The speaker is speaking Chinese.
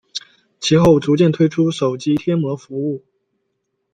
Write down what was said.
其后逐渐推出手机贴膜服务。